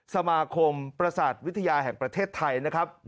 สมาคมประสาทวิทยาแห่งประเทศไทยนะครับ